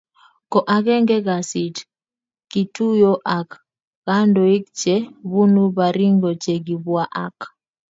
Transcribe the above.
Ko agenge kasit, kituyo ak kandoik che bunu Baringo che kibwa ak